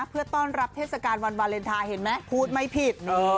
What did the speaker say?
เพื่อต้อนรับเทศกาลวันวาเลนไทยเห็นไหมพูดไม่ผิด